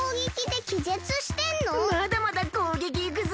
まだまだこうげきいくぞ！